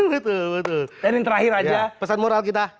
betul betul dan yang terakhir aja pesan moral kita